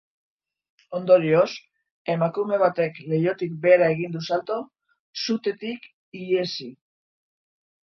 Ondorioz, emakume batek leihotik behera egin du salto, sutetik ihesi.